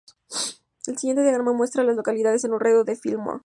El siguiente diagrama muestra a las localidades en un radio de de Fillmore.